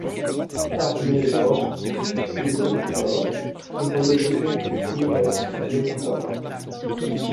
Armee-Korps du Gruppe Nord, qui relevait du Heeres Gruppe Nord.